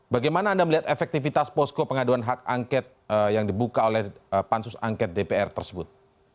bagaimana anda melihat efektivitas posko pengaduan hak angket yang dibuka oleh pansus angket dpr tersebut